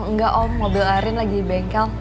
enggak om mobil arin lagi bengkel